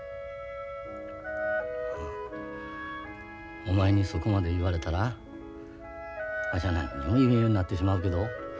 まあお前にそこまで言われたらわしは何にも言えんようになってしまうけど。